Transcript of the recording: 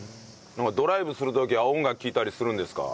ドライブする時は音楽聴いたりするんですか？